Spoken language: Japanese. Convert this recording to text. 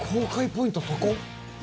ポイントそこ？